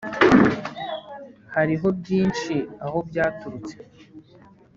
Hariho byinshi aho byaturutse